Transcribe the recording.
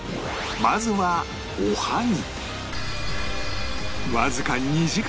まずはおはぎ